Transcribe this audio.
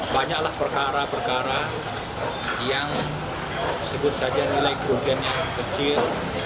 banyaklah perkara perkara yang sebut saja nilai kerugian yang kecil